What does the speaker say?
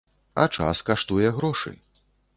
А час каштуе грошы.